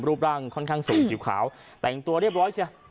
รูปร่างค่อนข้างสูงผิวขาวแต่งตัวเรียบร้อยเชีย